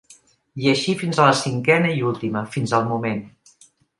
I així fins a la cinquena i última, fins al moment.